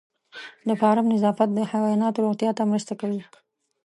د فارم نظافت د حیواناتو روغتیا ته مرسته کوي.